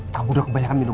kamu udah kebanyakan minum